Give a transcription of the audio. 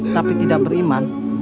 tapi tidak beriman